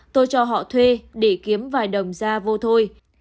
tôi cho họ thuê để kiếm vài đồng ra vô thôi